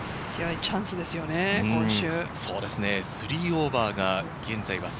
チャンスですよね、今週。